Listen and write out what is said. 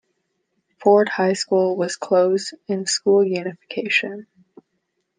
Ford High School was closed in school unification.